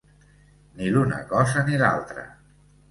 Ni l’una cosa ni l’altra.